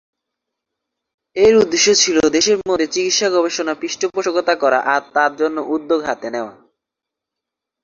এর উদ্দেশ্য ছিল দেশের মধ্যে চিকিৎসা-গবেষণার পৃষ্ঠপোষকতা করা আর তার জন্য উদ্যোগ হাতে নেওয়া।